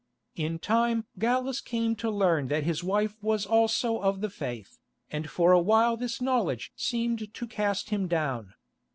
In time Gallus came to learn that his wife was also of the Faith, and for a while this knowledge seemed to cast him down.